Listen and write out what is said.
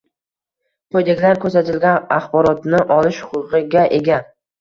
quyidagilar ko‘rsatilgan axborotni olish huquqiga ega: